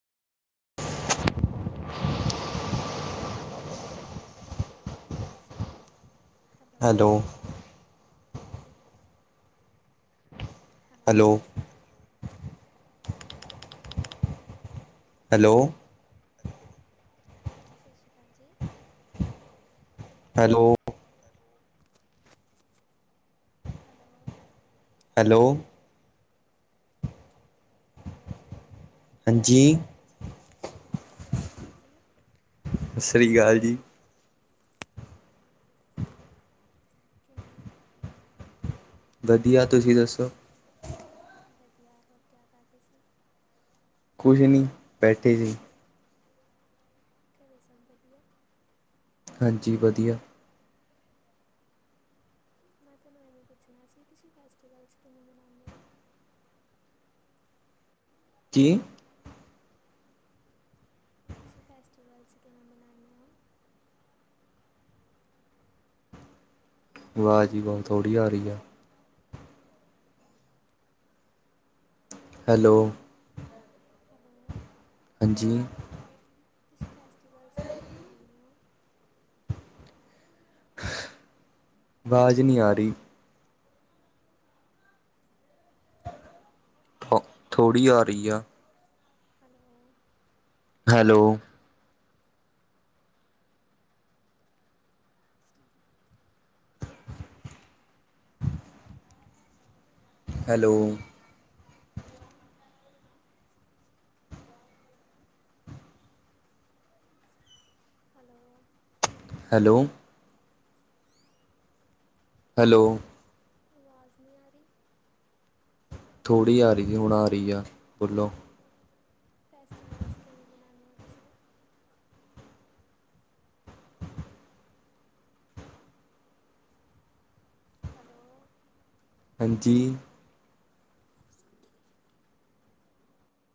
Hello hello hello hello ਹਾਂਜੀ ਸਸ ਸ੍ਰੀ ਕਾਲ ਜੀ। ਹੈਲੋ ਹੈਲੋ ਹੈਲੋ ਹੈਲੋ ਜੀ। ਹਾਂਜੀ ਸਸ ਸ੍ਰੀ ਕਾਲ ਜੀ। ਸ਼੍ਰੀ ਅਕਾਲ ਜੀ ਕਿਵੇ ਉ। ਵਧੀਆ ਤੁਸੀਂ ਦੱਸੋ? ਵਧੀਆ ਹੋ ਕਿਆ ਕਰਦੇ ਸੀ। ਕੁਛ ਨਹੀਂ ਬੈਠੇ ਸੀ। ਘਰੇ ਸਭ ਵਧੀਆ? ਹਾਂਜੀ ਵਧੀਆ। ਮੈਂ ਤੁਹਾਨੂੰ ਇਹਵੇਂ ਪੁੱਛਣਾ ਸੀ ਤੁਸੀਂ ਫੈਸਟੀਵਲ ਕਿਨੂੰ ਮਨਾਉਦੇ ਹੋ। ਜੀ ਤੁਸੀਂ ਫੈਸਟੀਵਲਸ ਕਿਵੇਂ ਮਨਾਉਂਦੇ ਹੋ। ਆਵਾਜ਼ ਹੀ ਬਹੁਤ ਥੋੜ੍ਹੀ ਆ ਰਹੀ ਆ। ਹੈਲੋ ਹੈਲੋ ਹਾਂਜੀ ਤੁਸੀਂ ਫੈਸਟੀਵਲਸ ਕਵੇੋਂ ਮਨਾਉਂਦੇ ਹੋ [inaudible] ਆਵਾਜ਼ ਨਹੀਂ ਆ ਰਹੀ। ਥੋੜ੍ਹੀ ਆ ਰਹੀ ਆ। Hello hello hello hello hello hello ਆਵਾਜ਼ ਨਹੀਂ ਆ ਰਹੀ [inaudible] ਥੋੜ੍ਹੀ ਆ ਰਹੀ ਹੁਣ ਆ ਰਹੀ ਆ ਬੋਲੋ ਫੈਸਟੀਵਲਸ ਕਿਵੇਂ ਮਨਾਦੇ ਹੋ ਤੁਸੀਂ ਹੈਲੋ ਹਾਂਜੀ